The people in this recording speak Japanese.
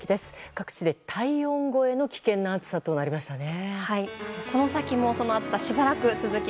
各地で体温超えの危険な暑さとなりましたね。